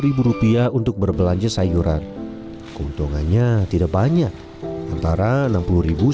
antara enam puluh tujuh puluh lima ribu rupiah untuk bebelanja sayuran keuntungannya tidak banyak antara enam puluh tujuh puluh lima ribu rupiah